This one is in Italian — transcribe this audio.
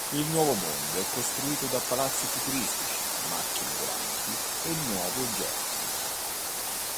Il nuovo mondo è costituito da palazzi futuristici, macchine volanti e nuovi oggetti.